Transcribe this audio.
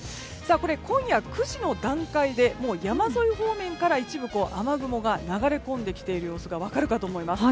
今夜９時の段階で山沿い方面から一部、雨雲が流れ込んできている様子が分かるかと思います。